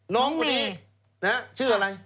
น้องเมชื่ออะไร